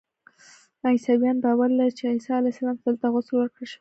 عیسویان باور لري چې عیسی علیه السلام ته دلته غسل ورکړل شوی.